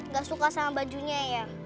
gak suka sama bajunya ya